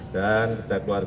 dan kepada keluarga